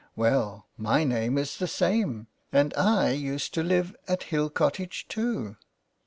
''Well, my name is the same. And I used to live at Hill Cottage too."